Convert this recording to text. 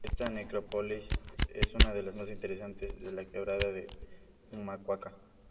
Esta necrópolis es una de las más interesantes de la quebrada de Humahuaca.